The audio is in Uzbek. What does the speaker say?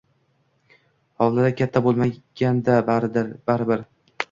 Hovlida katta bo`lmagan-da, baribir